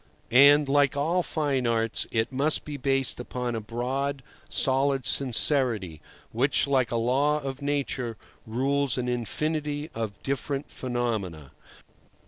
And, like all fine arts, it must be based upon a broad, solid sincerity, which, like a law of Nature, rules an infinity of different phenomena.